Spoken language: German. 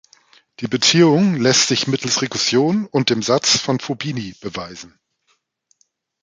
Die Beziehung lässt sich mittels Rekursion und dem Satz von Fubini beweisen.